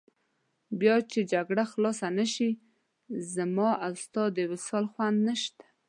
بیا چې جګړه خلاصه نه شي، زما او ستا د وصال خوند نشته.